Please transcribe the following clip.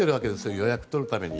予約を取るために。